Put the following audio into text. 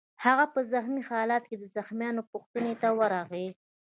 هغه په زخمي خالت کې د زخمیانو پوښتنې ته ورغی